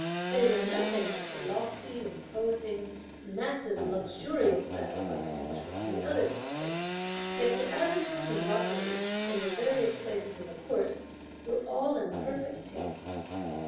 They were nothing like the lofty, imposing, massive and luxurious style of architecture on the other side, yet the avenues and rockeries, in the various places in the court, were all in perfect taste.